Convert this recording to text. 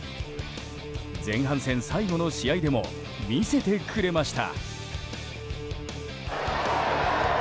前半戦最後の試合でも魅せてくれました。